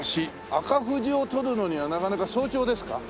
赤富士を撮るのにはなかなか早朝ですか？